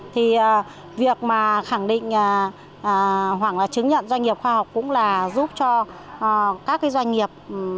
thì việc mà khẳng định hoặc là chứng nhận doanh nghiệp khoa học cũng là giúp cho các cái doanh nghiệp